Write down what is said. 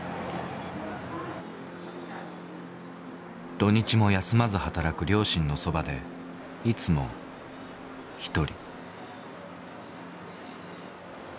土日も休まず働く両親のそばでいつも一人。